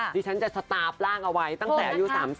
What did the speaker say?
ดิฉันจะสตาร์ฟร่างเอาไว้ตั้งแต่อายุ๓๐